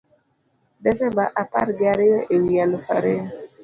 Desemba apargi ariyo e wi aluf ariyo: